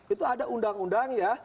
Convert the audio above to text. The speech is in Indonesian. itu ada undang undang ya